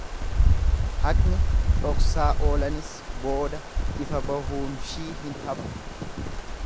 Haqni dhoksaa oolanis booda ifa bahuunshii hin hafu.